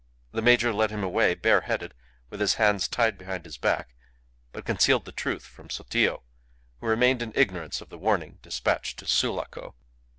The major led him away bareheaded, with his hands tied behind his back, but concealed the truth from Sotillo, who remained in ignorance of the warning despatched to Sulaco.